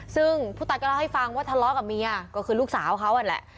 ซึ่งผู้ตายก็เล่าให้ฟังว่าทะเลาะกับเมียก็คือลูกสาวเขานั่นแหละ